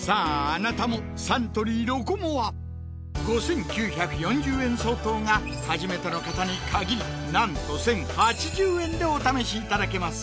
あなたもサントリー「ロコモア」５９４０円相当が初めての方に限りなんと１０８０円でお試しいただけます